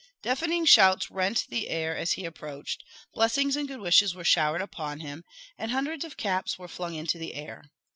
Deafening shouts rent the air as he approached; blessings and good wishes were showered upon him; and hundreds of caps were flung into the air.